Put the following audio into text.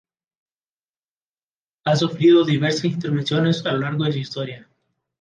Ha sufrido diversas intervenciones a lo largo de su historia.